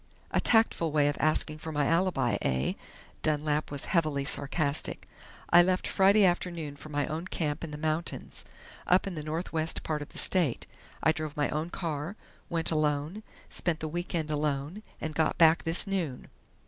"A tactful way of asking for my alibi, eh?" Dunlap was heavily sarcastic. "I left Friday afternoon for my own camp in the mountains, up in the northwest part of the state. I drove my own car, went alone, spent the week end alone, and got back this noon.